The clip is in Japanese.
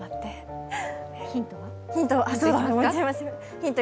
ヒント